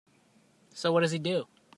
So what does he do?